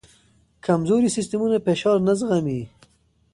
کمزوري سیستمونه فشار نه زغمي.